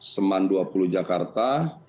seman dua puluh jakarta